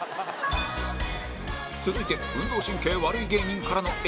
続いて運動神経悪い芸人からの越境留学